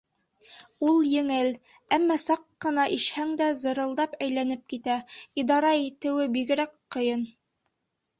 Ул еңел, әммә саҡ ҡына ишһәң дә зырылдап әйләнеп китә, идара итеүе бигерәк ҡыйын.